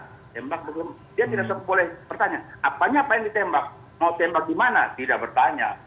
dia tidak boleh bertanya apanya apa yang ditembak mau tembak di mana tidak bertanya